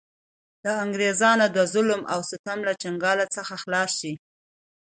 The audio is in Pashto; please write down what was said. د انګرېزانو د ظلم او ستم له چنګاله څخه خلاص شـي.